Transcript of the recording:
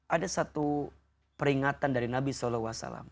ada satu peringatan dari nabi saw